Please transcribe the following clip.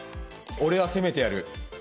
俺は攻めてやる！